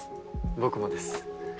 僕もです。